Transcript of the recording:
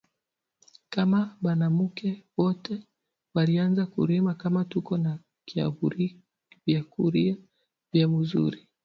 Kama banamuke bote bari Anza kurima kama tuko na biakuria bia muzuri